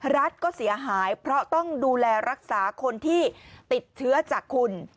รัฐก็เสียหายเพราะต้องดูแลรักษาคนที่ติดเชื้อจากคุณ